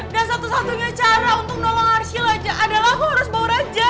dan satu satunya cara untuk nolong arshila adalah aku harus bawa raja